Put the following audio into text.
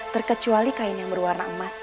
terkecuali kain yang berwarna emas